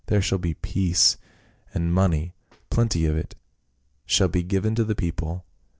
There shall be peace, and — money, plenty of it, shall be given to the people.